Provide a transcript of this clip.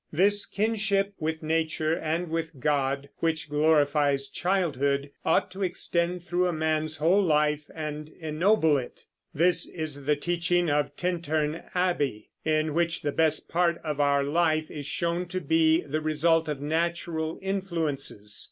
This kinship with nature and with God, which glorifies childhood, ought to extend through a man's whole life and ennoble it. This is the teaching of "Tintern Abbey," in which the best part of our life is shown to be the result of natural influences.